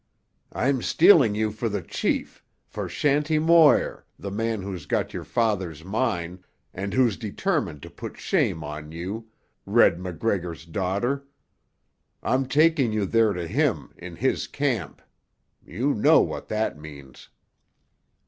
"I'm stealing you for the chief—for Shanty Moir, the man who's got your father's mine, and who's determined to put shame on you, Red MacGregor's daughter. I'm taking you there to him—in his camp. You know what that means.